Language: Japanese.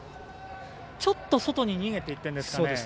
ちょっと外に逃げていくんですかね。